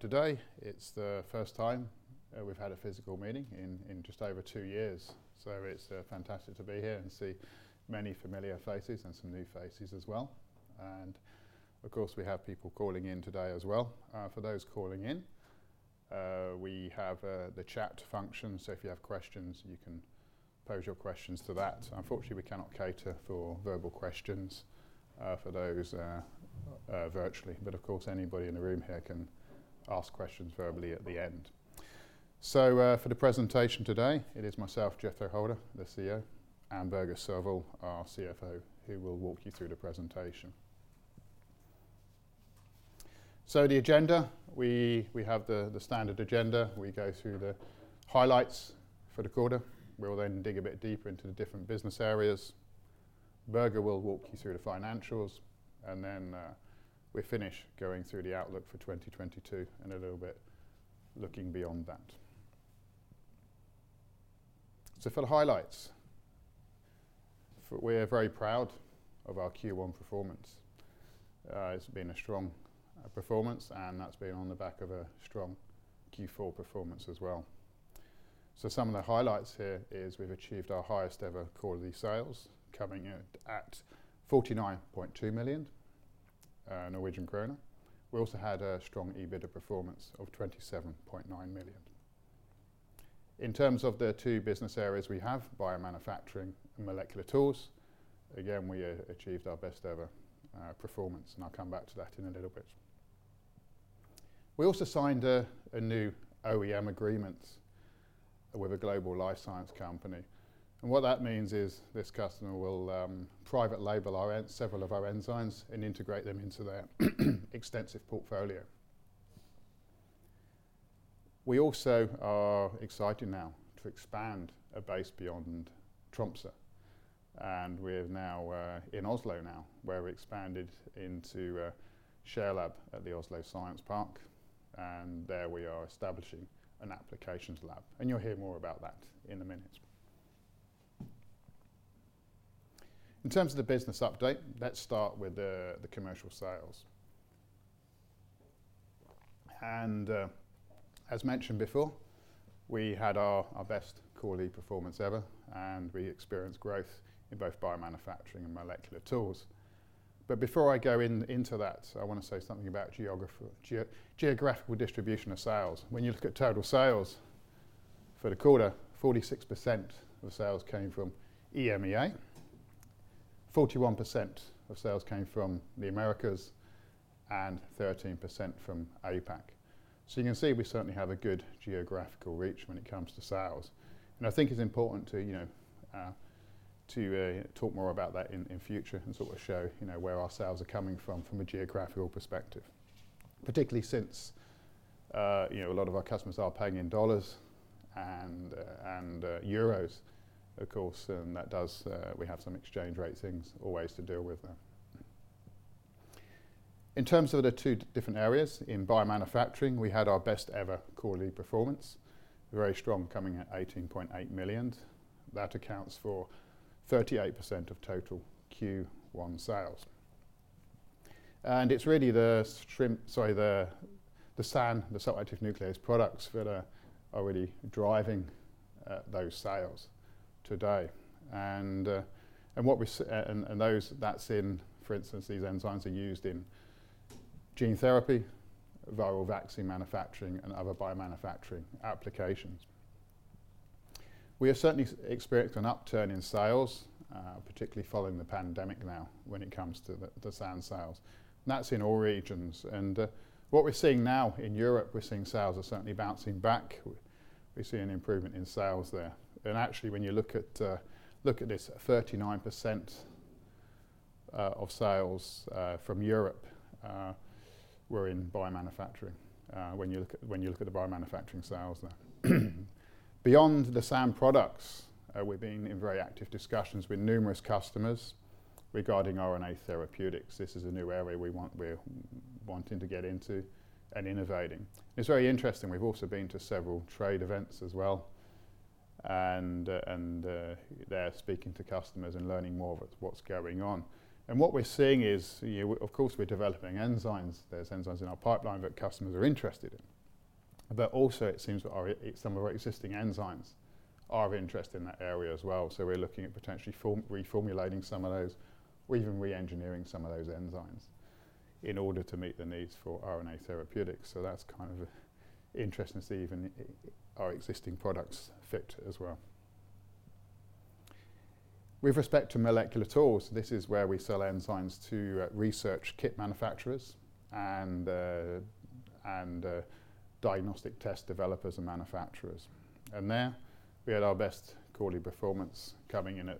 Today it's the first time we've had a physical meeting in just over two years. It's fantastic to be here and see many familiar faces and some new faces as well. Of course, we have people calling in today as well. For those calling in, we have the chat function, so if you have questions, you can pose your questions to that. Unfortunately, we cannot cater for verbal questions for those virtually, but of course, anybody in the room here can ask questions verbally at the end. For the presentation today, it is myself, Jethro Holter, the CEO, and Børge Sørvoll, our CFO, who will walk you through the presentation. The agenda, we have the standard agenda. We go through the highlights for the quarter. We will then dig a bit deeper into the different business areas. Børge will walk you through the financials, and then we finish going through the outlook for 2022 and a little bit looking beyond that. For the highlights, we're very proud of our Q1 performance. It's been a strong performance, and that's been on the back of a strong Q4 performance as well. Some of the highlights here is we've achieved our highest ever quarterly sales, coming in at 49.2 million Norwegian kroner. We also had a strong EBITDA performance of 27.9 million. In terms of the two business areas we have, Biomanufacturing and Molecular Tools, again, we achieved our best ever performance, and I'll come back to that in a little bit. We also signed a new OEM agreement with a global life science company. What that means is this customer will private label several of our enzymes and integrate them into their extensive portfolio. We also are excited now to expand our base beyond Tromsø, and we're now in Oslo, where we expanded into ShareLab at the Oslo Science Park, and there we are establishing an applications lab, and you'll hear more about that in a minute. In terms of the business update, let's start with the commercial sales. As mentioned before, we had our best quarterly performance ever, and we experienced growth in both biomanufacturing and molecular tools. Before I go into that, I wanna say something about geographical distribution of sales. When you look at total sales for the quarter, 46% of sales came from EMEA, 41% of sales came from the Americas, and 13% from APAC. You can see we certainly have a good geographical reach when it comes to sales. I think it's important to, you know, to talk more about that in future and sort of show, you know, where our sales are coming from from a geographical perspective. Particularly since, you know, a lot of our customers are paying in US dollars and euros, of course, and that does we have some exchange rate things always to deal with there. In terms of the two different areas, in biomanufacturing, we had our best ever quarterly performance, very strong, coming at 18.8 million. That accounts for 38% of total Q1 sales. It's really the SAN, the salt active nuclease products that are already driving those sales today. Those are used in gene therapy, viral vaccine manufacturing, and other biomanufacturing applications. We have certainly experienced an upturn in sales, particularly following the pandemic now when it comes to the SAN sales. That's in all regions. What we're seeing now in Europe, sales are certainly bouncing back. We're seeing an improvement in sales there. Actually when you look at this, 39% of sales from Europe were in biomanufacturing when you look at the biomanufacturing sales there. Beyond the SAN products, we've been in very active discussions with numerous customers regarding RNA therapeutics. This is a new area we're wanting to get into and innovating. It's very interesting. We've also been to several trade events as well and there speaking to customers and learning more of what's going on. What we're seeing is, you know, of course we're developing enzymes. There's enzymes in our pipeline that customers are interested in. But also it seems that our some of our existing enzymes are of interest in that area as well, so we're looking at potentially reformulating some of those, or even re-engineering some of those enzymes in order to meet the needs for RNA therapeutics. That's kind of interesting to see even our existing products fit as well. With respect to Molecular Tools, this is where we sell enzymes to research kit manufacturers and diagnostic test developers and manufacturers. There we had our best quarterly performance coming in at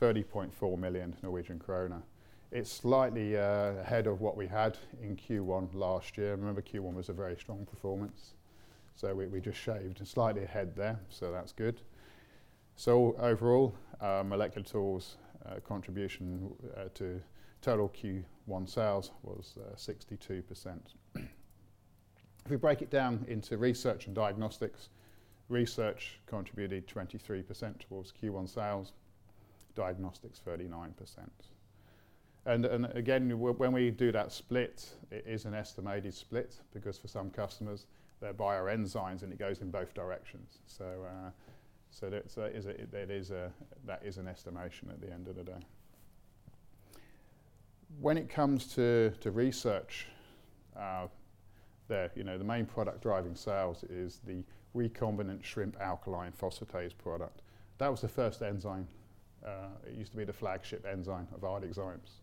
30.4 million Norwegian kroner. It's slightly ahead of what we had in Q1 last year. Remember, Q1 was a very strong performance, so we just shaved slightly ahead there, so that's good. Overall, our molecular tools contribution to total Q1 sales was 62%. If we break it down into research and diagnostics, research contributed 23% towards Q1 sales, diagnostics 39%. Again, when we do that split, it is an estimated split because for some customers they buy our enzymes, and it goes in both directions. That is an estimation at the end of the day. When it comes to research, the main product driving sales is the recombinant shrimp alkaline phosphatase product. That was the first enzyme. It used to be the flagship enzyme of ArcticZymes Technologies,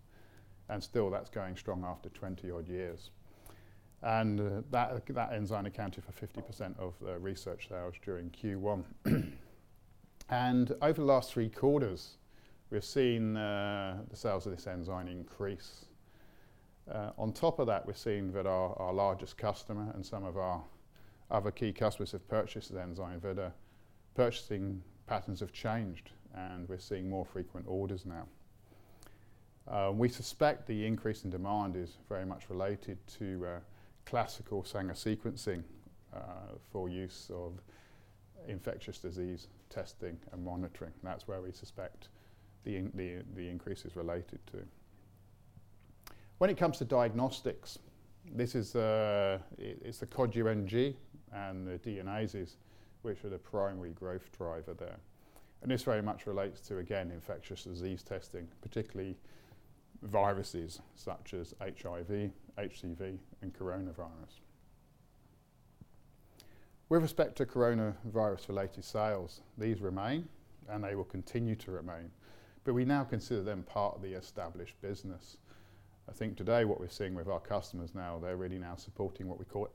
and still that's going strong after 20-odd years. That enzyme accounted for 50% of the research sales during Q1. Over the last three quarters, we've seen the sales of this enzyme increase. On top of that, we're seeing that our largest customer and some of our other key customers have purchased the enzyme, that purchasing patterns have changed, and we're seeing more frequent orders now. We suspect the increase in demand is very much related to classical Sanger sequencing for use of infectious disease testing and monitoring. That's where we suspect the increase is related to. When it comes to diagnostics, this is, it's the Cod UNG and the DNases which are the primary growth driver there. This very much relates to, again, infectious disease testing, particularly viruses such as HIV, HCV, and coronavirus. With respect to coronavirus-related sales, these remain, and they will continue to remain, but we now consider them part of the established business. I think today what we're seeing with our customers now, they're really now supporting what we call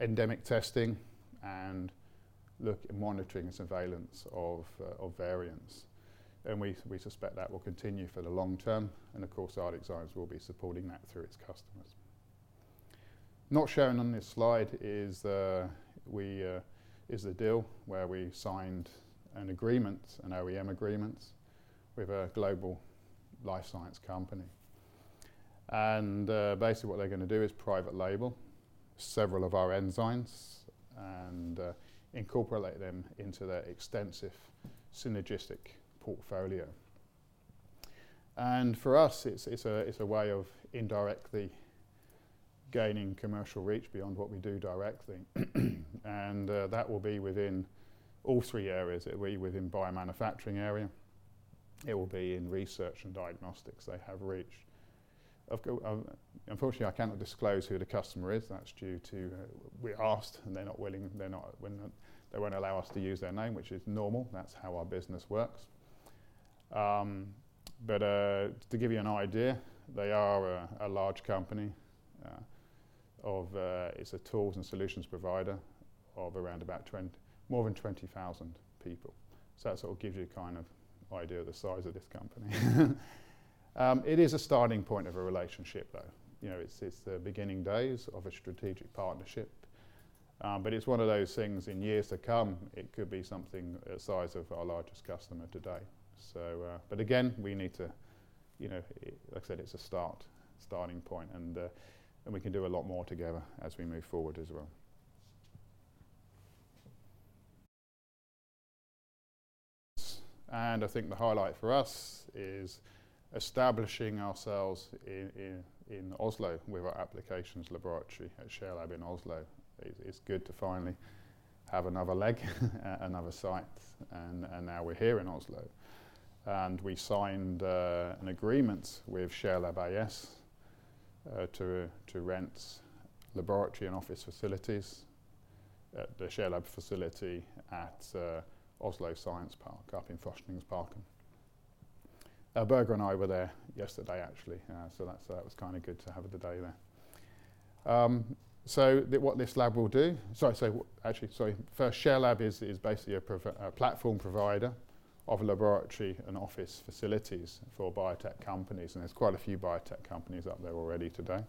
endemic testing and look at monitoring surveillance of of variants. We suspect that will continue for the long term and of course ArcticZymes Technologies will be supporting that through its customers. Not shown on this slide is the deal where we signed an agreement, an OEM agreement with a global life science company. Basically what they're gonna do is private label several of our enzymes and incorporate them into their extensive synergistic portfolio. For us, it's a way of indirectly gaining commercial reach beyond what we do directly. That will be within all three areas. It will be within Biomanufacturing area, it will be in research and diagnostics they have reached. Unfortunately, I cannot disclose who the customer is. That's due to we asked, and they're not willing. They won't allow us to use their name, which is normal. That's how our business works. To give you an idea, they are a large company. It's a tools and solutions provider of more than 20,000 people. So that sort of gives you a kind of idea of the size of this company. It is a starting point of a relationship, though. You know, it's the beginning days of a strategic partnership, but it's one of those things in years to come, it could be something the size of our largest customer today. But again, we need to, you know, like I said, it's a starting point and we can do a lot more together as we move forward as well. I think the highlight for us is establishing ourselves in Oslo with our applications laboratory at ShareLab in Oslo. It's good to finally have another site and now we're here in Oslo. We signed an agreement with ShareLab AS to rent laboratory and office facilities at the ShareLab facility at Oslo Science Park up in Forskningsparken. Børge Sørvoll and I were there yesterday actually, so that was kinda good to have the day there. Sorry. Actually, sorry. First, ShareLab is basically a platform provider of laboratory and office facilities for biotech companies, and there's quite a few biotech companies up there already today.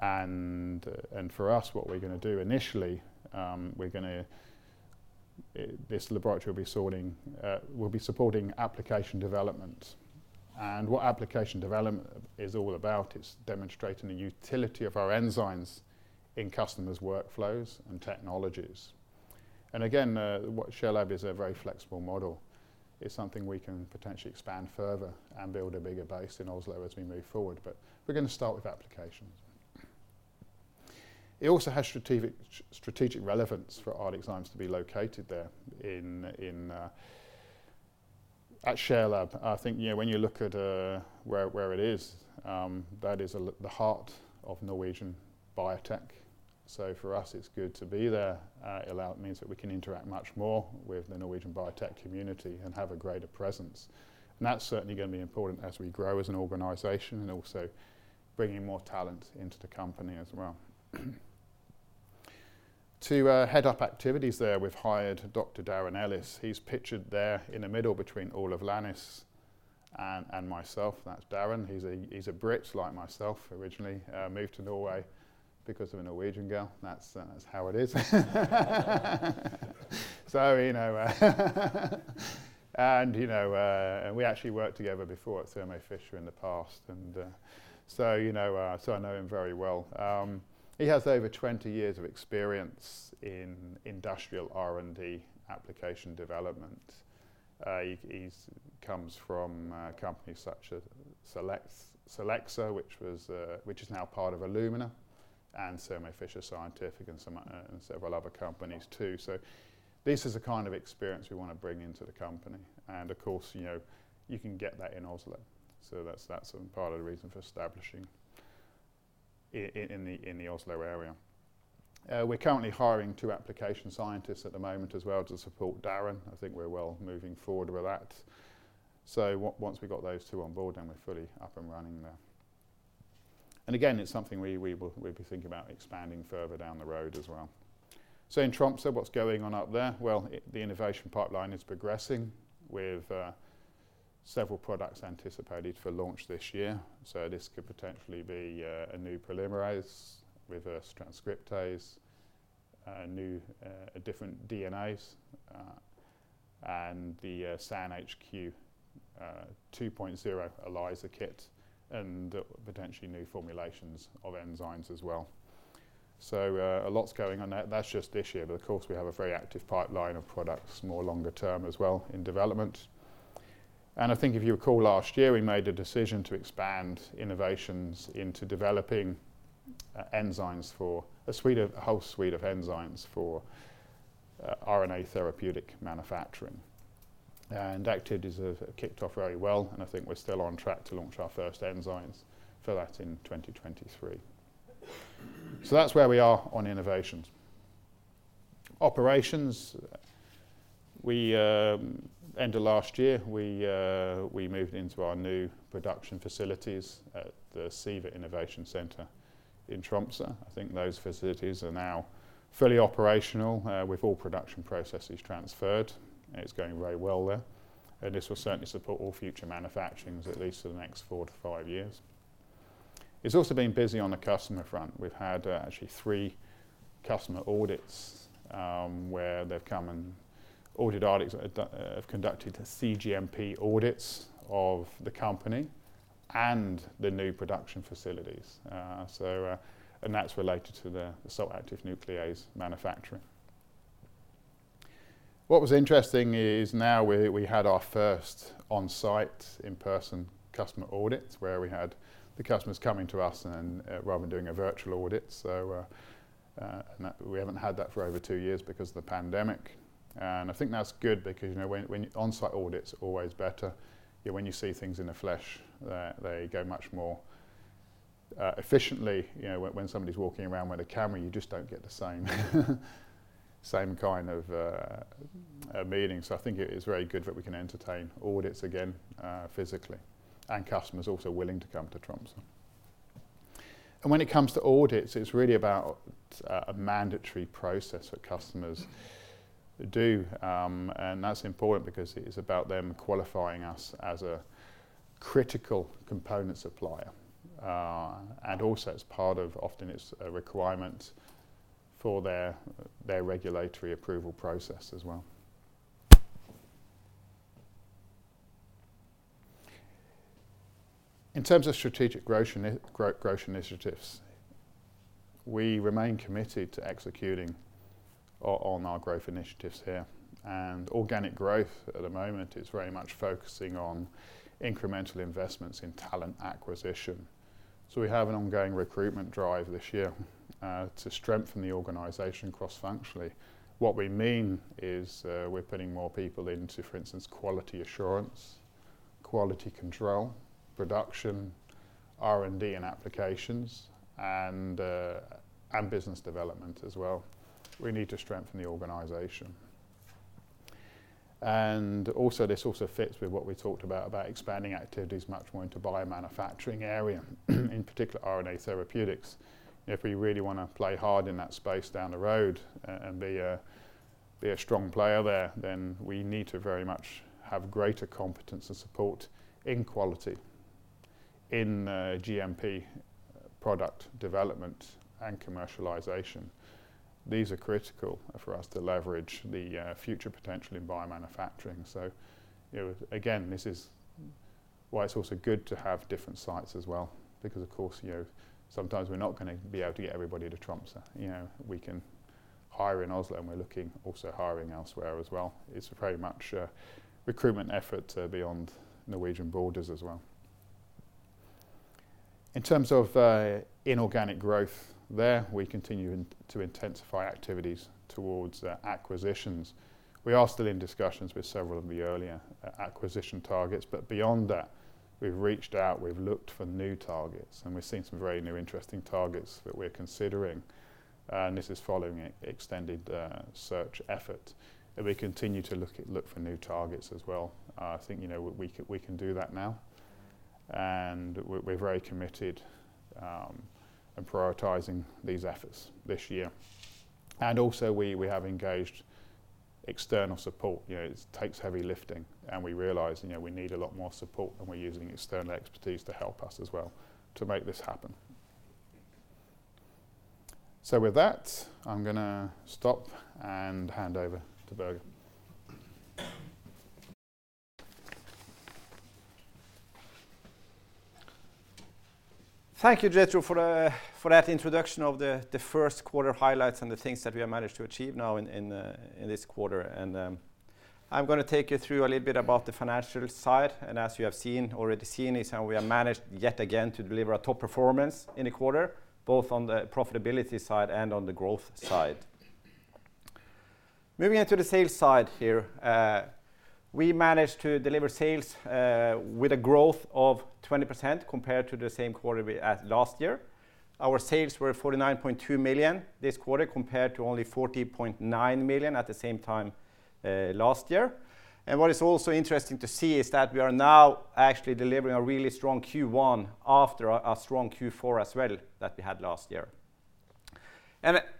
For us, what we're gonna do initially, this laboratory will be supporting application development. What application development is all about is demonstrating the utility of our enzymes in customers' workflows and technologies. Again, what ShareLab is a very flexible model. It's something we can potentially expand further and build a bigger base in Oslo as we move forward, but we're gonna start with applications. It has strategic relevance for ArcticZymes Technologies to be located there at ShareLab. I think, you know, when you look at where it is, that is the heart of Norwegian biotech. For us, it's good to be there. It means that we can interact much more with the Norwegian biotech community and have a greater presence. That's certainly gonna be important as we grow as an organization and also bringing more talent into the company as well. To head up activities there, we've hired Dr. Darren Ellis. He's pictured there in the middle between Ole Lahnstein and myself. That's Darren. He's a Brit like myself originally. Moved to Norway because of a Norwegian girl. That's how it is. You know, we actually worked together before at Thermo Fisher Scientific in the past, and, so, you know, so I know him very well. He has over 20 years of experience in industrial R&D application development. He comes from companies such as Solexa, which is now part of Illumina, and Thermo Fisher Scientific, and several other companies too. This is the kind of experience we wanna bring into the company, and of course, you know, you can get that in Oslo. That's part of the reason for establishing in the Oslo area. We're currently hiring two application scientists at the moment as well to support Darren. I think we're well moving forward with that. Once we've got those two on board, then we're fully up and running there. Again, it's something we'll be thinking about expanding further down the road as well. In Tromsø, what's going on up there? The innovation pipeline is progressing with several products anticipated for launch this year. This could potentially be a new polymerase, reverse transcriptase, a new, a different DNase, and the SAN HQ 2.0 ELISA kit, and potentially new formulations of enzymes as well. A lot's going on there. That's just this year, but of course, we have a very active pipeline of products, more longer term as well in development. I think if you recall last year, we made a decision to expand innovations into developing enzymes for a whole suite of enzymes for RNA therapeutic manufacturing. Activities have kicked off very well, and I think we're still on track to launch our first enzymes for that in 2023. That's where we are on innovations. Operations, end of last year, we moved into our new production facilities at the Siva Innovation Center in Tromsø. I think those facilities are now fully operational with all production processes transferred, and it's going very well there. This will certainly support all future manufacturing, at least for the next 4-5 years. It's also been busy on the customer front. We've had actually three customer audits, where they've come and audit ArcticZymes, have conducted cGMP audits of the company and the new production facilities. That's related to the salt-active nuclease manufacturing. What was interesting is now we had our first on-site, in-person customer audit, where we had the customers coming to us and rather than doing a virtual audit. That we haven't had that for over two years because of the pandemic. I think that's good because, you know, when on-site audit's always better. You know, when you see things in the flesh, they go much more efficiently. You know, when somebody's walking around with a camera, you just don't get the same kind of a meeting. I think it is very good that we can entertain audits again, physically, and customers also willing to come to Tromsø. When it comes to audits, it's really about a mandatory process that customers do, and that's important because it is about them qualifying us as a critical component supplier. Also it's part of often it's a requirement for their regulatory approval process as well. In terms of strategic growth initiatives, we remain committed to executing on our growth initiatives here. Organic growth at the moment is very much focusing on incremental investments in talent acquisition. We have an ongoing recruitment drive this year, to strengthen the organization cross-functionally. What we mean is, we're putting more people into, for instance, quality assurance, quality control, production, R&D, and applications, and business development as well. We need to strengthen the organization. This also fits with what we talked about expanding activities much more into biomanufacturing area, in particular RNA therapeutics. If we really wanna play hard in that space down the road and be a strong player there, then we need to very much have greater competence and support in quality, in GMP product development, and commercialization. These are critical for us to leverage the future potential in biomanufacturing. You know, again, this is why it's also good to have different sites as well because of course, you know, sometimes we're not gonna be able to get everybody to Tromsø. You know, we can hire in Oslo, and we're looking also hiring elsewhere as well. It's very much a recruitment effort beyond Norwegian borders as well. In terms of inorganic growth there, we continue to intensify activities towards acquisitions. We are still in discussions with several of the earlier acquisition targets, but beyond that, we've reached out, we've looked for new targets, and we've seen some very new interesting targets that we're considering. This is following extended search effort, and we continue to look for new targets as well. I think, you know, we can do that now, and we're very committed in prioritizing these efforts this year. We have engaged external support. You know, it takes heavy lifting, and we realize, you know, we need a lot more support, and we're using external expertise to help us as well to make this happen. With that, I'm gonna stop and hand over to Børge. Thank you, Jethro, for that introduction of the first quarter highlights and the things that we have managed to achieve now in this quarter. I'm gonna take you through a little bit about the financial side. As you have seen, is how we have managed yet again to deliver a top performance in the quarter, both on the profitability side and on the growth side. Moving on to the sales side here, we managed to deliver sales with a growth of 20% compared to the same quarter last year. Our sales were 49.2 million this quarter, compared to only 40.9 million at the same time last year. What is also interesting to see is that we are now actually delivering a really strong Q1 after a strong Q4 as well that we had last year.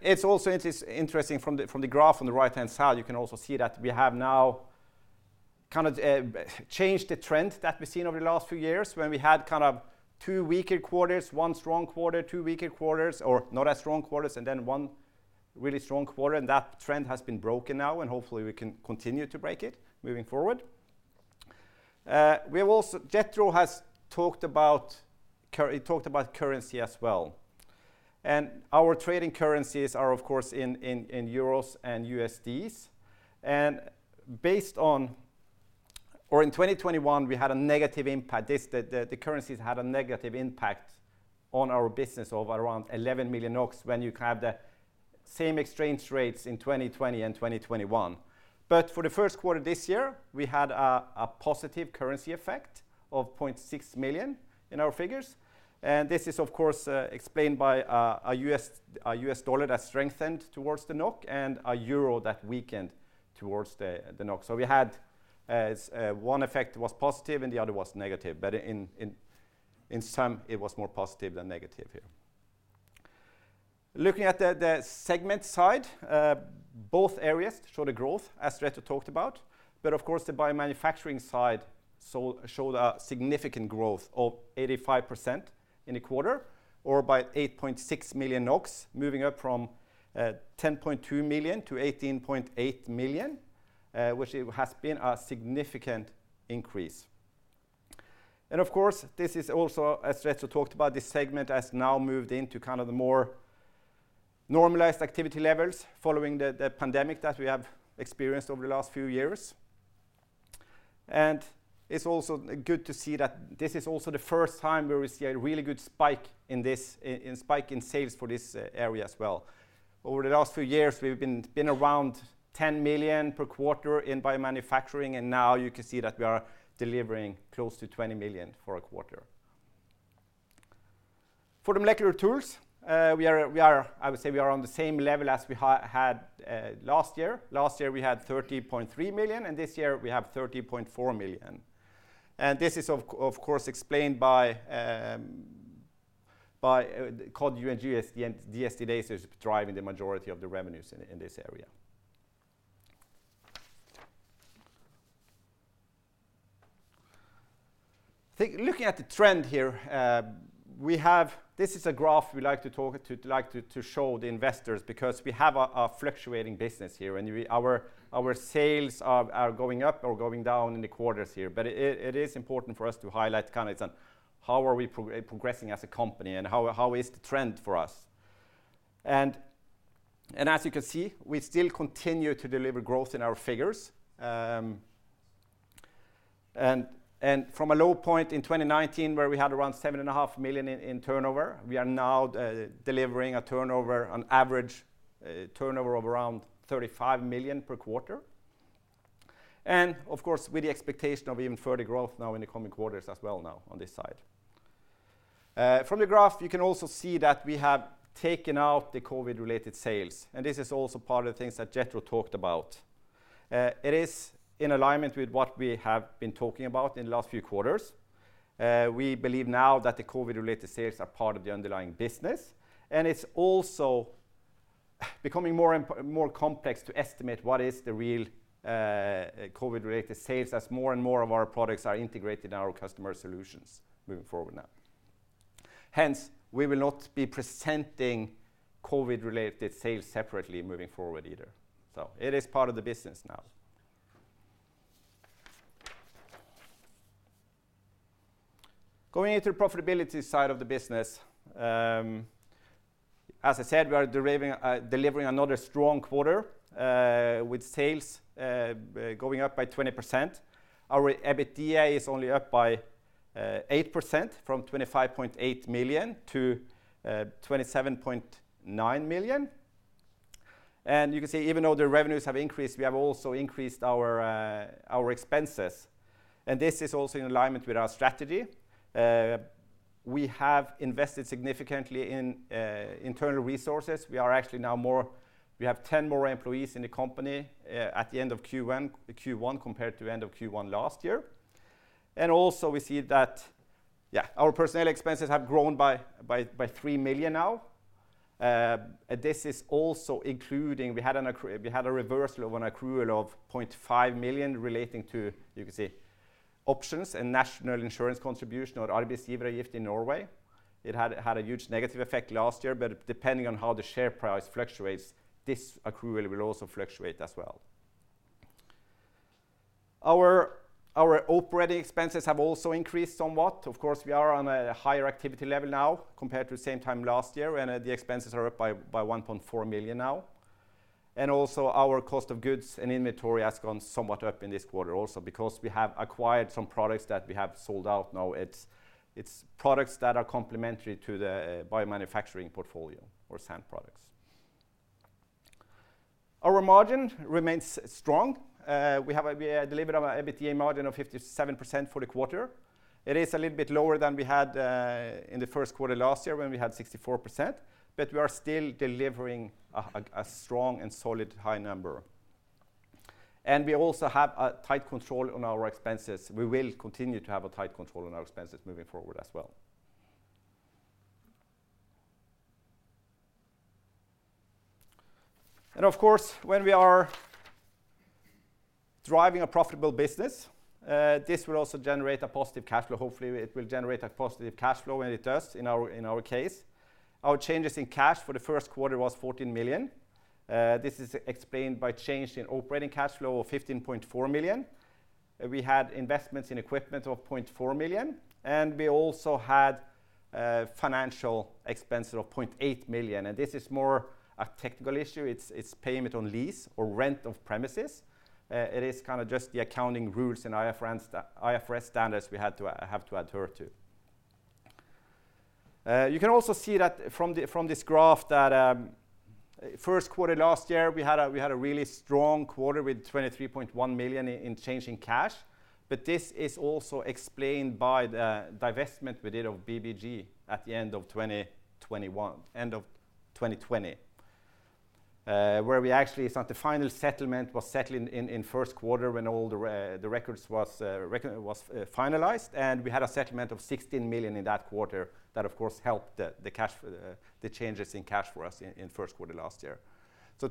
It's also interesting from the graph on the right-hand side. You can also see that we have now kind of changed the trend that we've seen over the last few years when we had kind of two weaker quarters, one strong quarter, two weaker quarters, or not as strong quarters, and then one really strong quarter. That trend has been broken now, and hopefully we can continue to break it moving forward. Jethro has talked about currency as well. Our trading currencies are of course in euros and USD. Based on in 2021, we had a negative impact. The currencies had a negative impact on our business of around 11 million NOK when you have the same exchange rates in 2020 and 2021. For the first quarter this year, we had a positive currency effect of 0.6 million in our figures. This is of course explained by a U.S. dollar that strengthened towards the NOK and a euro that weakened towards the NOK. We had one effect was positive and the other was negative. In sum, it was more positive than negative here. Looking at the segment side, both areas showed a growth, as Jethro talked about. Of course, the biomanufacturing side showed a significant growth of 85% in the quarter, or by 8.6 million NOK, moving up from 10.2 million to 18.8 million, which it has been a significant increase. Of course, this is also, as Jethro talked about, this segment has now moved into kind of the more normalized activity levels following the pandemic that we have experienced over the last few years. It's also good to see that this is also the first time where we see a really good spike in spike in sales for this area as well. Over the last few years, we've been around 10 million per quarter in biomanufacturing, and now you can see that we are delivering close to 20 million for a quarter. For the Molecular Tools, we are, I would say we are on the same level as we had last year. Last year, we had 30.3 million, and this year we have 30.4 million. This is of course explained by Cod UNG, the dsDNase driving the majority of the revenues in this area. Looking at the trend here, we have this is a graph we like to show the investors because we have a fluctuating business here, and our sales are going up or going down in the quarters here. It is important for us to highlight kind of how we are progressing as a company and how is the trend for us. As you can see, we still continue to deliver growth in our figures, and from a low point in 2019 where we had around 7.5 million in turnover, we are now delivering a turnover on average of around 35 million per quarter. Of course, with the expectation of even further growth now in the coming quarters as well now on this side. From the graph, you can also see that we have taken out the COVID-related sales, and this is also part of the things that Jethro talked about. It is in alignment with what we have been talking about in the last few quarters. We believe now that the COVID-related sales are part of the underlying business, and it's also becoming more complex to estimate what is the real, COVID-related sales as more and more of our products are integrated in our customer solutions moving forward now. Hence, we will not be presenting COVID-related sales separately moving forward either. It is part of the business now. Going into the profitability side of the business, as I said, we are delivering another strong quarter, with sales going up by 20%. Our EBITDA is only up by 8% from 25.8 million to 27.9 million. You can see, even though the revenues have increased, we have also increased our expenses, and this is also in alignment with our strategy. We have invested significantly in internal resources. We are actually now we have 10 more employees in the company at the end of Q1 compared to end of Q1 last year. We see that our personnel expenses have grown by 3 million now. This is also including we had a reversal of an accrual of 0.5 million relating to, you can see, options and national insurance contribution or Arbeidsgiveravgift in Norway. It had a huge negative effect last year, but depending on how the share price fluctuates, this accrual will also fluctuate as well. Our operating expenses have also increased somewhat. Of course, we are on a higher activity level now compared to same time last year, and the expenses are up by 1.4 million now. Our cost of goods and inventory has gone somewhat up in this quarter also because we have acquired some products that we have sold out now. It's products that are complementary to the Biomanufacturing portfolio or SAN products. Our margin remains strong. We delivered an EBITDA margin of 57% for the quarter. It is a little bit lower than we had in the first quarter last year when we had 64%, but we are still delivering a strong and solid high number. We also have a tight control on our expenses. We will continue to have a tight control on our expenses moving forward as well. Of course, when we are driving a profitable business, this will also generate a positive cash flow. Hopefully, it will generate a positive cash flow and it does in our case. Our changes in cash for the first quarter was 14 million. This is explained by change in operating cash flow of 15.4 million. We had investments in equipment of 0.4 million, and we also had financial expenses of 0.8 million. This is more a technical issue. It's payment on lease or rent of premises. It is kind of just the accounting rules and IFRS standards we have to adhere to. You can also see that from this graph that first quarter last year, we had a really strong quarter with 23.1 million in change in cash. This is also explained by the divestment we did of Biotec BetaGlucans at the end of 2020, where we actually start the final settlement was settled in first quarter when all the records was finalized, and we had a settlement of 16 million in that quarter that of course helped the changes in cash for us in first quarter last year.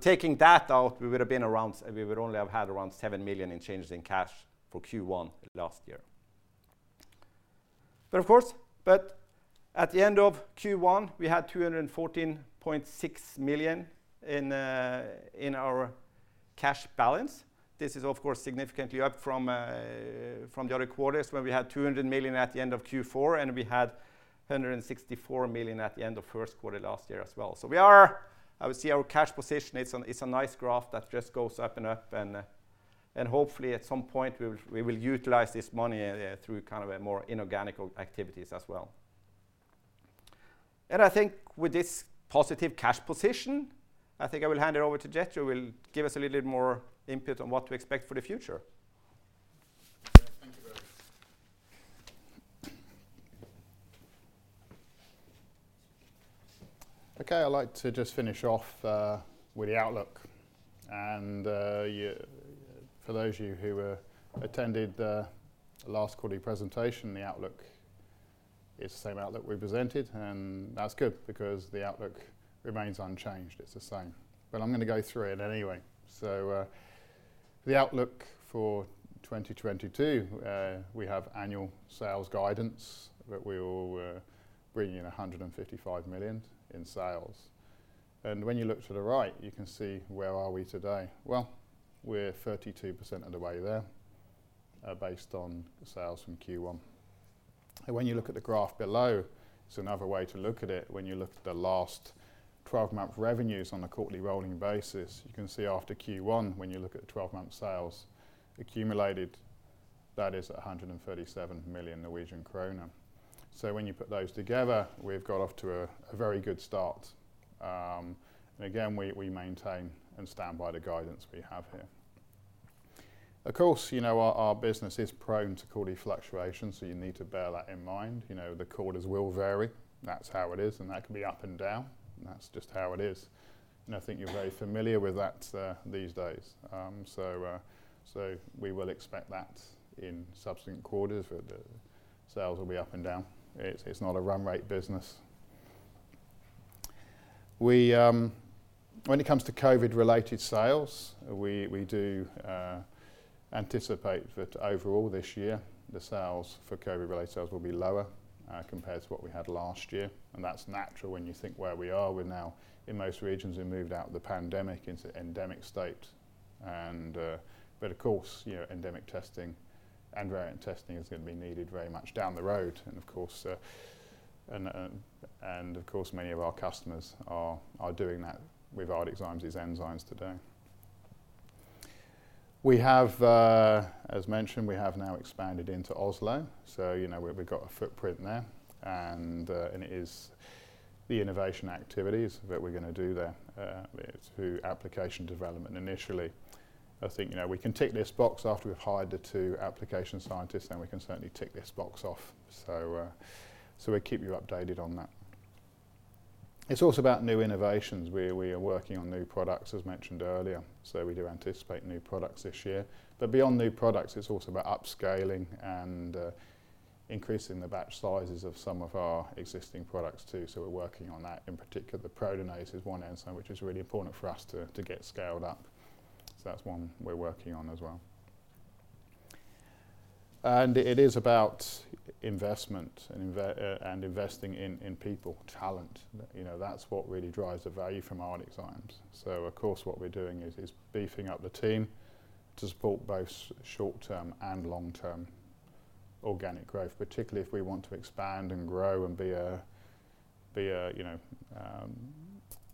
Taking that out, we would only have had around 7 million in changes in cash for Q1 last year. Of course, at the end of Q1, we had 214.6 million in our cash balance. This is of course significantly up from from the other quarters, when we had 200 million at the end of Q4, and we had 164 million at the end of first quarter last year as well. I would say our cash position, it's a nice graph that just goes up and up, and hopefully at some point we will utilize this money through kind of a more inorganic activities as well. I think with this positive cash position, I think I will hand it over to Jethro who will give us a little bit more input on what to expect for the future. Thank you, Børge. Okay, I'd like to just finish off with the outlook. For those of you who attended the last quarterly presentation, the outlook is the same outlook we presented, and that's good because the outlook remains unchanged. It's the same. I'm going to go through it anyway. The outlook for 2022, we have annual sales guidance that we were bringing in 155 million in sales. When you look to the right, you can see where we are today. Well, we're 32% of the way there, based on sales from Q1. When you look at the graph below, it's another way to look at it. When you look at the last twelve-month revenues on a quarterly rolling basis, you can see after Q1, when you look at 12-month sales accumulated, that is 137 million Norwegian kroner. When you put those together, we've got off to a very good start. We maintain and stand by the guidance we have here. Of course, you know, our business is prone to quarterly fluctuations, so you need to bear that in mind. You know, the quarters will vary. That's how it is, and that can be up and down, and that's just how it is. I think you're very familiar with that, these days. We will expect that in subsequent quarters, the sales will be up and down. It's not a run rate business. When it comes to COVID-related sales, we do anticipate that overall this year, the sales for COVID-related sales will be lower compared to what we had last year. That's natural when you think where we are. We're now in most regions, we moved out of the pandemic into endemic state, but of course, you know, endemic testing and variant testing is going to be needed very much down the road. Of course, many of our customers are doing that with ArcticZymes as enzymes today. We have, as mentioned, we have now expanded into Oslo. You know, we've got a footprint there, and it is the innovation activities that we're gonna do there through application development initially. I think, you know, we can tick this box after we've hired the two application scientists, then we can certainly tick this box off. We'll keep you updated on that. It's also about new innovations. We are working on new products, as mentioned earlier. We do anticipate new products this year. Beyond new products, it's also about upscaling and increasing the batch sizes of some of our existing products too. We're working on that. In particular, the proteinase is one enzyme which is really important for us to get scaled up. That's one we're working on as well. It is about investment and investing in people, talent. You know, that's what really drives the value from our enzymes. Of course, what we're doing is beefing up the team to support both short-term and long-term organic growth. Particularly if we want to expand and grow and be a, you know,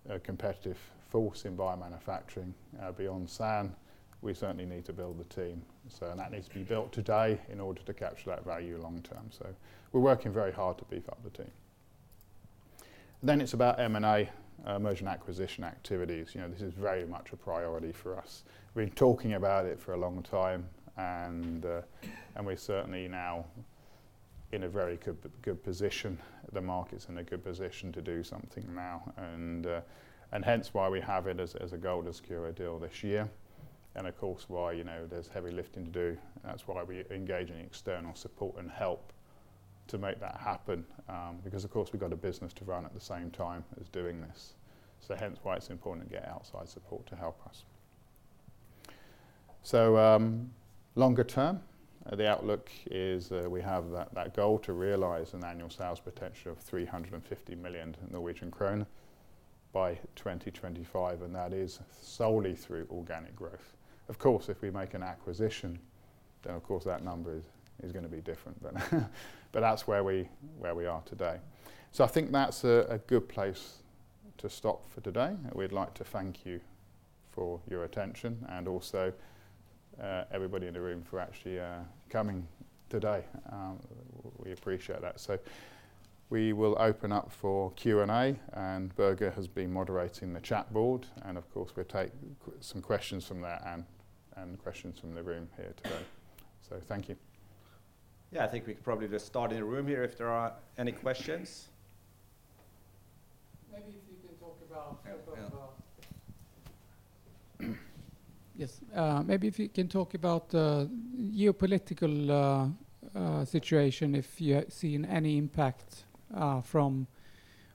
a competitive force in biomanufacturing beyond SAN, we certainly need to build the team. And that needs to be built today in order to capture that value long term. We're working very hard to beef up the team. Then it's about M&A, merger and acquisition activities. You know, this is very much a priority for us. We've been talking about it for a long time, and we're certainly now in a very good position. The market's in a good position to do something now, and hence why we have it as a goal to secure a deal this year. Of course, while, you know, there's heavy lifting to do, that's why we engage in external support and help to make that happen, because of course we've got a business to run at the same time as doing this. Hence why it's important to get outside support to help us. Longer term, the outlook is, we have that goal to realize an annual sales potential of 350 million Norwegian krone by 2025, and that is solely through organic growth. Of course, if we make an acquisition, then of course that number is gonna be different then. But that's where we are today. I think that's a good place to stop for today. We'd like to thank you for your attention and also, everybody in the room for actually coming today. We appreciate that. We will open up for Q&A, and Børge has been moderating the chat board, and of course, we'll take some questions from there and questions from the room here today. Thank you. Yeah, I think we could probably just start in the room here if there are any questions. Maybe if you can talk about. Yeah. Yeah. Yes. Maybe if you can talk about geopolitical situation, if you have seen any impact from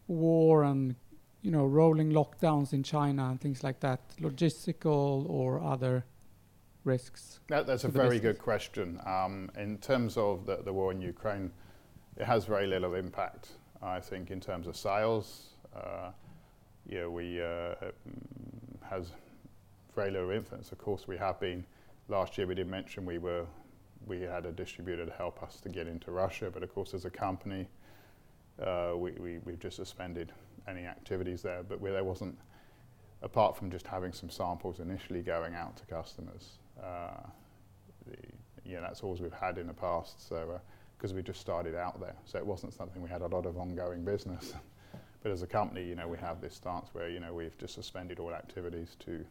war and, you know, rolling lockdowns in China and things like that, logistical or other risks to the business? That's a very good question. In terms of the war in Ukraine, it has very little impact, I think, in terms of sales. You know, it has very little influence. Of course, last year, we did mention we had a distributor to help us to get into Russia. Of course, as a company, we've just suspended any activities there. Apart from just having some samples initially going out to customers, you know, that's all we've had in the past. 'Cause we just started out there. It wasn't something we had a lot of ongoing business. As a company, you know, we have this stance where, you know, we've just suspended all activities to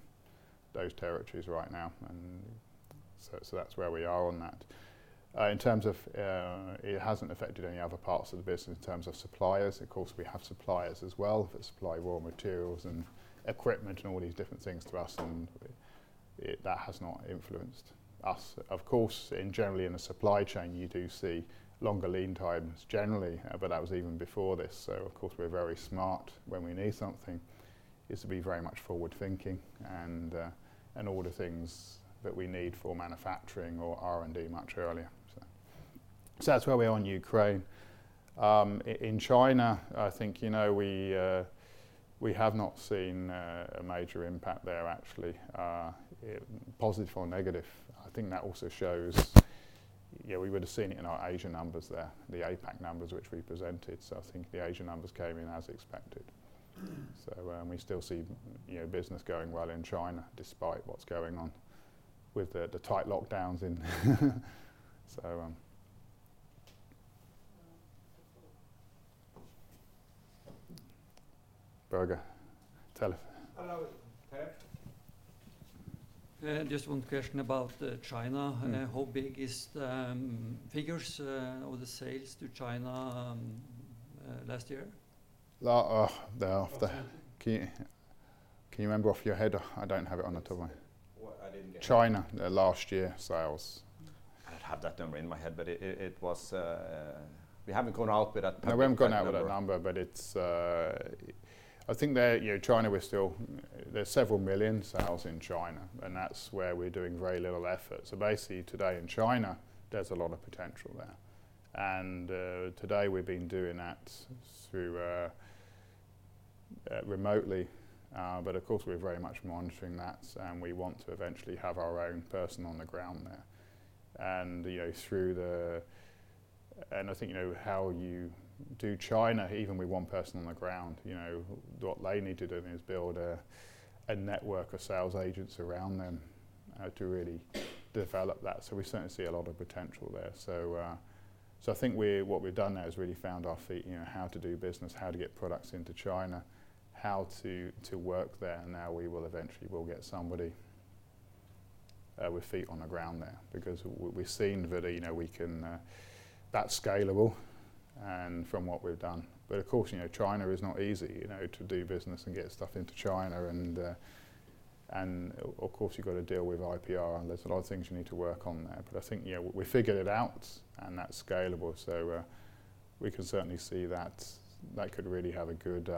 those territories right now. That's where we are on that. In terms of, it hasn't affected any other parts of the business in terms of suppliers. Of course, we have suppliers as well that supply raw materials and equipment and all these different things to us, and that has not influenced us. Of course, in general in the supply chain, you do see longer lead times generally, but that was even before this. Of course, we're very smart when we need something, is to be very much forward-thinking and order things that we need for manufacturing or R&D much earlier. That's where we are on Ukraine. In China, I think, you know, we have not seen a major impact there actually, positive or negative. I think that also shows. You know, we would have seen it in our Asia numbers there, the APAC numbers which we presented. I think the Asia numbers came in as expected. We still see, you know, business going well in China despite what's going on with the tight lockdowns. Børge, tell it. Hello, Per. Yeah, just one question about China. Mm-hmm. How big is the figures, or the sales to China, last year? Can you remember off your head? I don't have it on the top of my- What? I didn't get it. China, last year sales. I don't have that number in my head. We haven't gone out with that particular number. No, we haven't gone out with that number, but it's, I think there, you know, China, There's several million sales in China, and that's where we're doing very little effort. Basically today in China, there's a lot of potential there. Today we've been doing that through remotely. But of course we're very much monitoring that, and we want to eventually have our own person on the ground there. You know, I think, you know, how you do China even with one person on the ground, you know, what they need to do is build a network of sales agents around them to really develop that. We certainly see a lot of potential there. I think what we've done there is really found our feet, you know, how to do business, how to get products into China, how to work there. Now we will eventually get somebody with feet on the ground there because we've seen that, you know, we can, that's scalable and from what we've done. Of course, you know, China is not easy, you know, to do business and get stuff into China and, of course, you've got to deal with IPR, and there's a lot of things you need to work on there. I think, yeah, we figured it out, and that's scalable. We can certainly see that could really have a good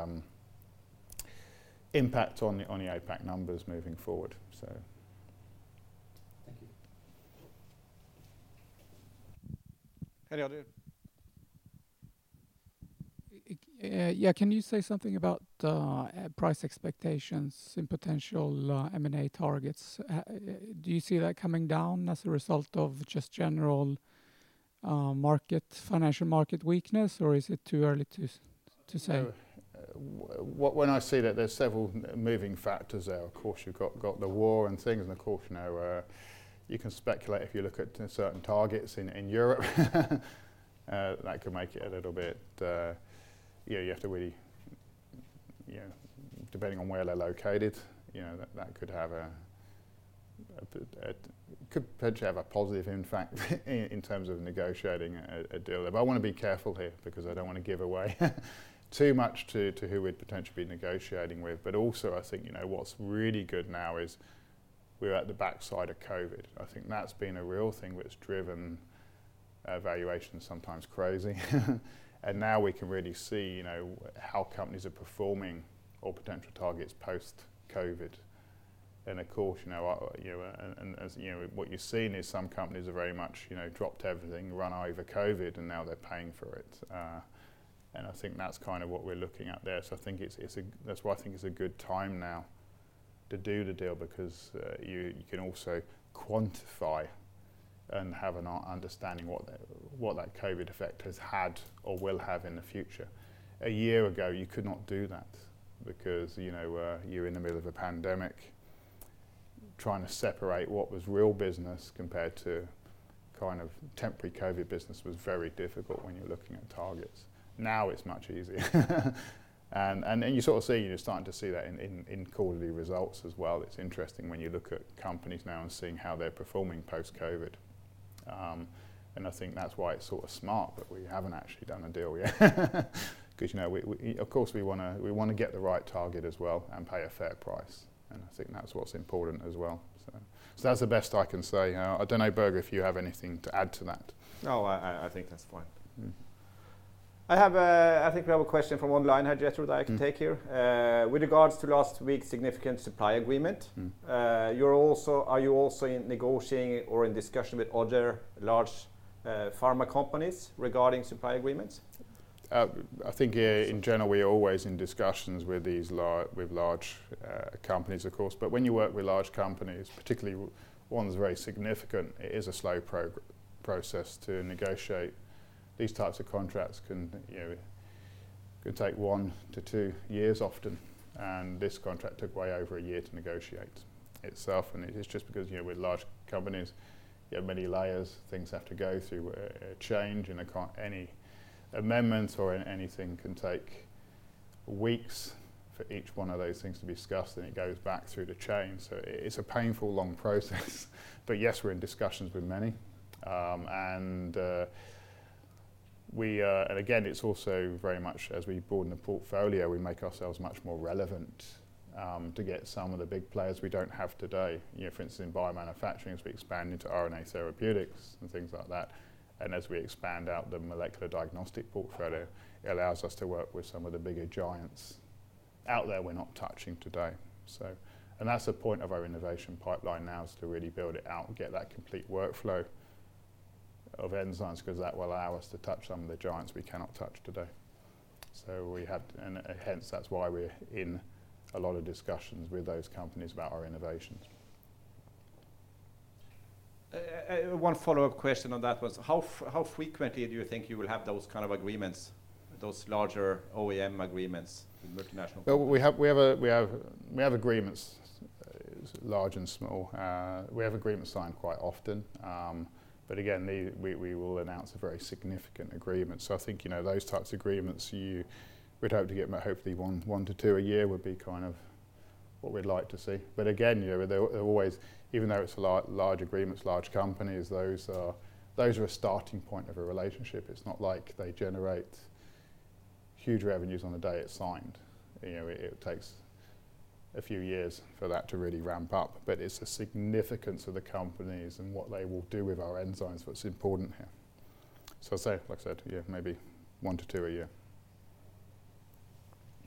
impact on the APAC numbers moving forward. Thank you. Any other? Yeah. Can you say something about price expectations in potential M&A targets? Do you see that coming down as a result of just general market financial market weakness, or is it too early to say? No, when I say that there's several moving factors there, of course, you've got the war and things, and of course, now, you can speculate if you look at certain targets in Europe. That could make it a little bit. You know, depending on where they're located, you know, that could potentially have a positive impact in terms of negotiating a deal. I wanna be careful here because I don't wanna give away too much to who we'd potentially be negotiating with. I think, you know, what's really good now is we're at the backside of COVID. I think that's been a real thing that's driven valuation sometimes crazy. Now we can really see, you know, how companies are performing or potential targets post-COVID. Of course, you know, and as you know, what you're seeing is some companies are very much, you know, dropped everything, run over COVID, and now they're paying for it. I think that's kind of what we're looking at there. I think it's a good time now to do the deal because you can also quantify and have an understanding what that COVID effect has had or will have in the future. A year ago, you could not do that because, you know, you're in the middle of a pandemic. Trying to separate what was real business compared to kind of temporary COVID business was very difficult when you're looking at targets. Now it's much easier. Then you sort of see, you're starting to see that in quarterly results as well. It's interesting when you look at companies now and seeing how they're performing post-COVID. I think that's why it's sort of smart that we haven't actually done a deal yet. 'Cause, you know, of course, we wanna get the right target as well and pay a fair price. I think that's what's important as well. That's the best I can say. I don't know, Børge, if you have anything to add to that. No, I think that's fine. Mm. I have, I think we have a question from online, Holter, that I can take here. Mm. With regards to last week's significant supply agreement. Mm Are you also in negotiating or in discussion with other large pharma companies regarding supply agreements? I think in general, we're always in discussions with these large companies, of course. When you work with large companies, particularly one that's very significant, it is a slow process to negotiate. These types of contracts can, you know, take 1-2 years often, and this contract took way over a year to negotiate itself. It is just because, you know, with large companies, you have many layers. Things have to go through a chain, and any amendments or anything can take weeks for each one of those things to be discussed. It goes back through the chain. It's a painful long process. Yes, we're in discussions with many. We... Again, it's also very much as we broaden the portfolio, we make ourselves much more relevant to get some of the big players we don't have today. You know, for instance, in Biomanufacturing, as we expand into RNA therapeutics and things like that, and as we expand out the molecular diagnostic portfolio, it allows us to work with some of the bigger giants out there we're not touching today. That's the point of our innovation pipeline now is to really build it out and get that complete workflow of enzymes because that will allow us to touch some of the giants we cannot touch today. Hence, that's why we're in a lot of discussions with those companies about our innovations. One follow-up question on that was how frequently do you think you will have those kind of agreements, those larger OEM agreements with multinational companies? Well, we have agreements, large and small. We have agreements signed quite often. Again, we will announce a very significant agreement. I think, you know, those types of agreements, you would hope to get, hopefully one to two a year, would be kind of what we'd like to see. Again, you know, they're always, even though it's large agreements, large companies, those are a starting point of a relationship. It's not like they generate huge revenues on the day it's signed. You know, it takes a few years for that to really ramp up. It's the significance of the companies and what they will do with our enzymes that's important here. As I said, yeah, maybe one to two a year.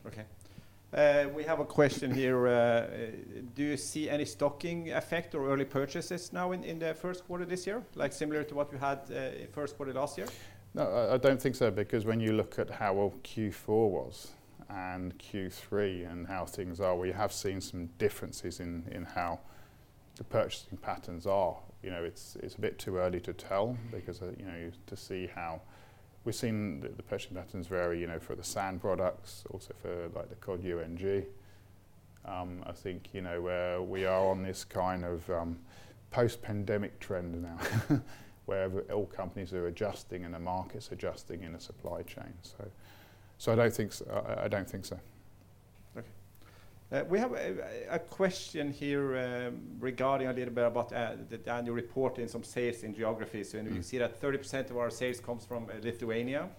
Okay. We have a question here. Do you see any stocking effect or early purchases now in the first quarter this year, like similar to what you had, first quarter last year? No, I don't think so because when you look at how well Q4 was and Q3 and how things are, we have seen some differences in how the purchasing patterns are. You know, it's a bit too early to tell because you know, to see how we've seen the purchasing patterns vary, you know, for the SAN products, also for like the Cod UNG. I think, you know, we are on this kind of post-pandemic trend now where all companies are adjusting and the market's adjusting in the supply chain. I don't think so. Okay. We have a question here, regarding a little bit about the annual report in some sales in geographies. Mm-hmm. We see that 30% of our sales comes from Lithuania.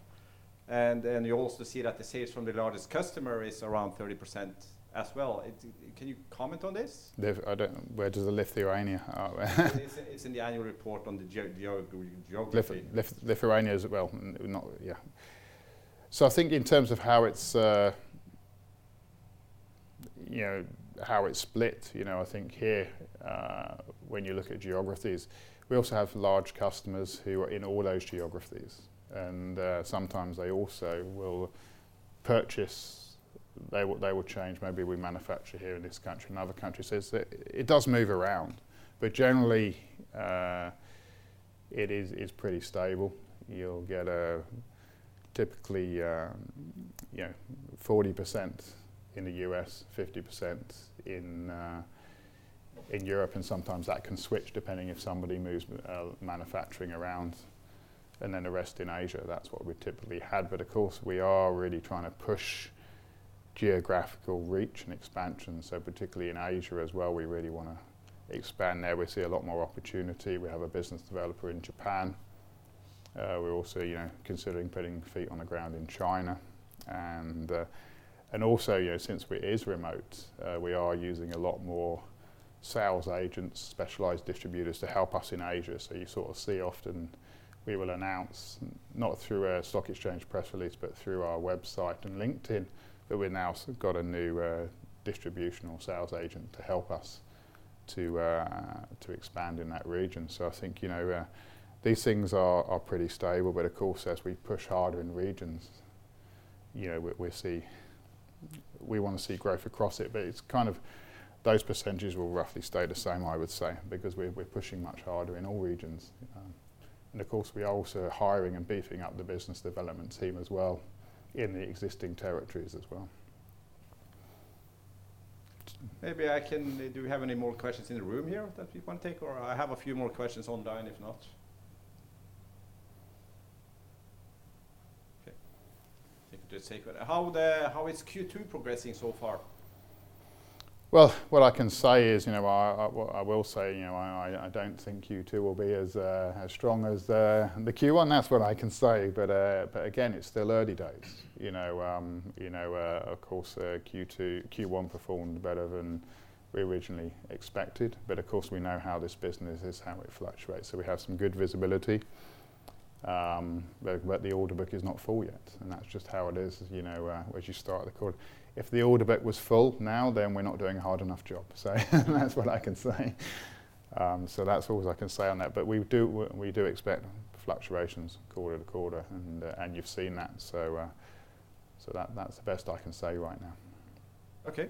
You also see that the sales from the largest customer is around 30% as well. Can you comment on this? I don't. Where does it list the arena? Oh. It's in the annual report on the geography. I think in terms of how it's, you know, how it's split, you know, I think here, when you look at geographies, we also have large customers who are in all those geographies. Sometimes they also will purchase. They will change. Maybe we manufacture here in this country, another country. It does move around, but generally, it is pretty stable. You'll get typically, you know, 40% in the U.S., 50% in Europe, and sometimes that can switch depending if somebody moves manufacturing around. Then the rest in Asia, that's what we typically had. Of course, we are really trying to push geographical reach and expansion. Particularly in Asia as well, we really wanna expand there. We see a lot more opportunity. We have a business developer in Japan. We're also, you know, considering putting feet on the ground in China. Since it is remote, we are using a lot more sales agents, specialized distributors to help us in Asia. You sort of see often we will announce, not through a stock exchange press release, but through our website and LinkedIn, that we're now got a new distributor sales agent to help us expand in that region. I think, you know, these things are pretty stable, but of course, as we push harder in regions, you know, we wanna see growth across it. It's kind of those percentages will roughly stay the same, I would say, because we're pushing much harder in all regions. Of course, we are also hiring and beefing up the business development team as well in the existing territories as well. Do we have any more questions in the room here that we wanna take? Or I have a few more questions online, if not. Okay. Take a seat. How is Q2 progressing so far? Well, what I can say is, you know, I don't think Q2 will be as strong as the Q1. That's what I can say. It's still early days. You know, of course, Q1 performed better than we originally expected, but of course, we know how this business is, how it fluctuates. We have some good visibility, but the order book is not full yet, and that's just how it is, you know, as you start the quarter. If the order book was full now, then we're not doing a hard enough job. That's what I can say. That's all I can say on that. We do expect fluctuations quarter to quarter, and you've seen that. That's the best I can say right now. Okay.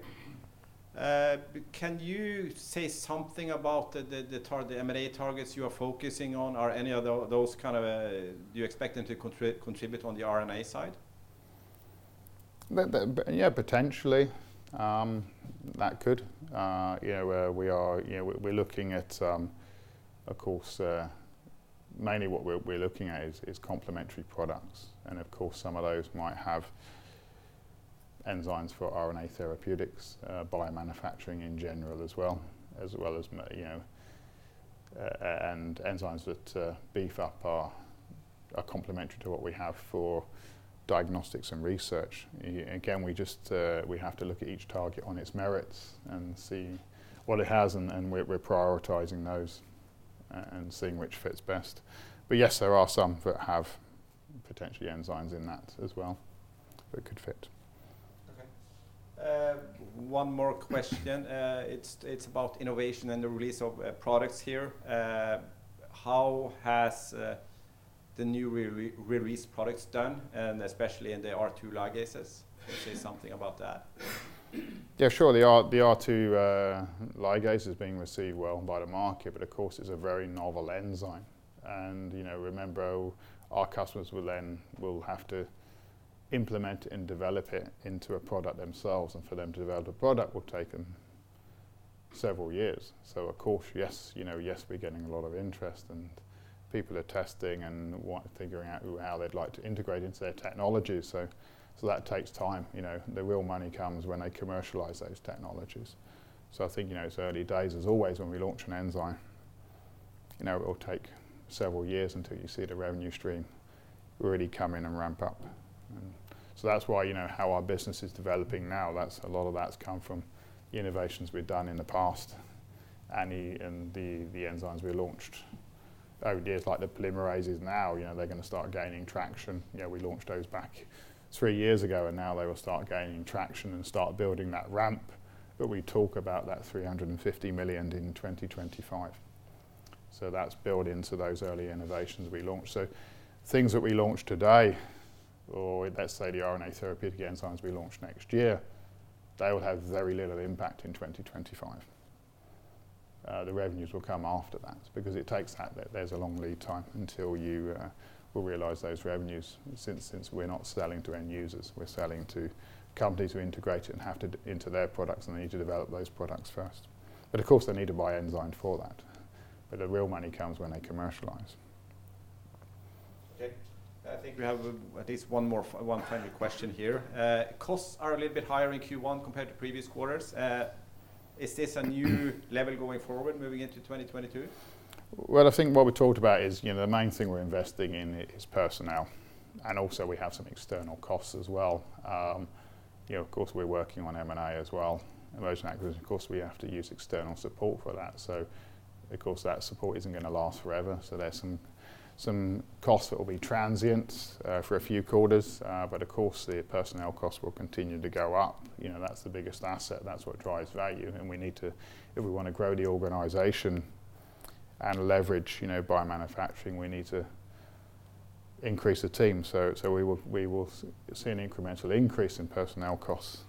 Can you say something about the M&A targets you are focusing on? Are any of those kind of? Do you expect them to contribute on the RNA side? Yeah, potentially, that could. You know, we're looking at, of course, mainly what we're looking at is complementary products, and of course, some of those might have enzymes for RNA therapeutics, biomanufacturing in general as well, and enzymes that are complementary to what we have for diagnostics and research. Again, we just have to look at each target on its merits and see what it has, and we're prioritizing those and seeing which fits best. But yes, there are some that have potentially enzymes in that as well that could fit. Okay. One more question. It's about innovation and the release of products here. How has the new re-released products done, and especially in the R2D Ligase? Can you say something about that? Yeah, sure. The R2D Ligase is being received well by the market, but of course, it's a very novel enzyme. You know, remember our customers will have to implement and develop it into a product themselves, and for them to develop the product will take them several years. Of course, yes, you know, yes, we're getting a lot of interest, and people are testing and figuring out how they'd like to integrate into their technology. That takes time, you know. The real money comes when they commercialize those technologies. I think, you know, it's early days. As always, when we launch an enzyme, you know, it'll take several years until you see the revenue stream really come in and ramp up. That's why, you know, how our business is developing now. That's a lot of that's come from the innovations we've done in the past and the enzymes we launched. Over the years, like the polymerases now, you know, they're gonna start gaining traction. You know, we launched those back three years ago, and now they will start gaining traction and start building that ramp. We talk about that 350 million in 2025. That's built into those early innovations we launched. Things that we launch today, or let's say the RNA therapeutic enzymes we launch next year, they will have very little impact in 2025. The revenues will come after that because it takes time. There's a long lead time until you will realize those revenues since we're not selling to end users. We're selling to companies who integrate it into their products, and they need to develop those products first. Of course, they need to buy enzymes for that. The real money comes when they commercialize. Okay. I think we have at least one final question here. Costs are a little bit higher in Q1 compared to previous quarters. Is this a new level going forward moving into 2022? I think what we talked about is, you know, the main thing we're investing in is personnel, and also we have some external costs as well. You know, of course, we're working on M&A as well, merger and acquisition. Of course, we have to use external support for that, so of course, that support isn't gonna last forever. There's some costs that will be transient for a few quarters. Of course, the personnel costs will continue to go up. You know, that's the biggest asset. That's what drives value, and we need to. If we wanna grow the organization and leverage, you know, biomanufacturing, we need to increase the team. We will see an incremental increase in personnel costs.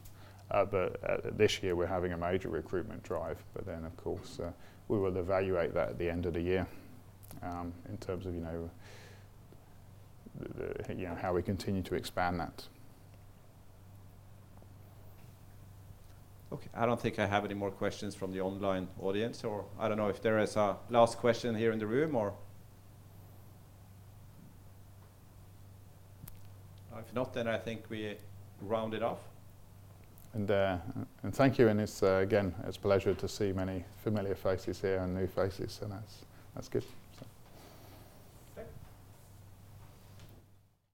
This year we're having a major recruitment drive, but then, of course, we will evaluate that at the end of the year, in terms of, you know, the you know, how we continue to expand that. Okay. I don't think I have any more questions from the online audience, or I don't know if there is a last question here in the room or. If not, then I think we round it off. Thank you. It's again a pleasure to see many familiar faces here and new faces, so that's good. Okay.